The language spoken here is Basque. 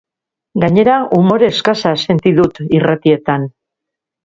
Gainera, umore eskasa sendi dut irratietan.